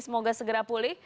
semoga segera pulih